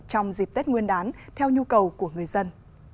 trong dịp tết nguyên đán theo nhu cầu của người dân